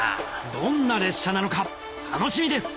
どんな列車なのか楽しみです！